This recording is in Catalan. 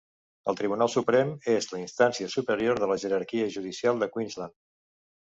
El Tribunal Suprem és la instància superior de la jerarquia judicial de Queensland.